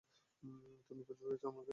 তুমি খুঁজে পেয়েছ আমাকে।